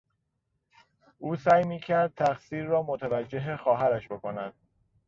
او سعی میکرد تقصیر را متوجه خواهرش بکند.